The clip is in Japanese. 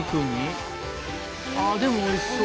でもおいしそう。